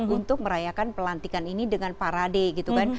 untuk merayakan pelantikan ini dengan parade gitu kan